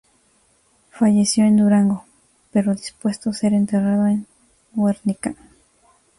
Falleció en Durango pero dispuso ser enterrado en Guernica.